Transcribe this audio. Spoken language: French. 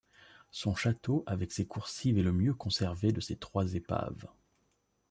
Son château avec ses coursives est le mieux conservé de ces trois épaves.